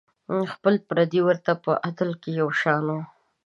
خپل پردي ورته په عدل کې یو شان وو.